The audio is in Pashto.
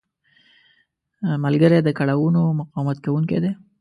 ملګری د کړاوونو مقاومت کوونکی دی